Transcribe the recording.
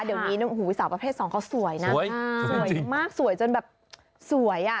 เดี๋ยวนี้สาวประเภทสองเขาสวยนะสวยมากสวยจนแบบสวยอ่ะ